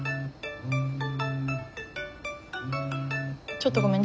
ちょっとごめん。